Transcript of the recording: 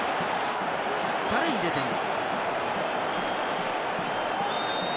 誰に出てるの？